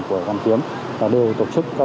của hoàn kiếm đã đều tổ chức